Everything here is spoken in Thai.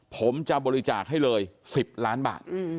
ผมจะบริจาคให้เลย๑๐ล้านบาท